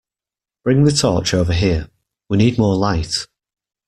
Bring the torch over here; we need more light